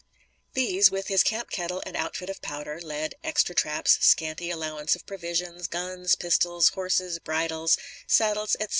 These, with his camp kettle and outfit of powder, lead, extra traps, scanty allowance of provisions, guns, pistols, horses, bridles, saddles, etc.